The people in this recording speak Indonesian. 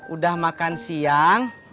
udah makan siang